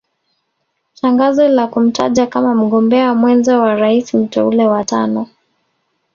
Tangazo la kumtaja kama mgombea mwenza wa rais mteule wa tano